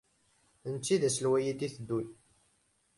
D netta i d aselway i d-iteddun.